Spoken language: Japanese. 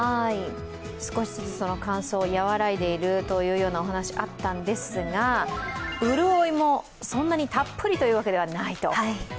少しずつ乾燥がやわらいでいるというお話があったんですが、潤いもそんなにたっぷりというわけではないと。